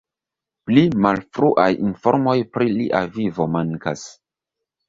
Pli malfruaj informoj pri lia vivo mankas.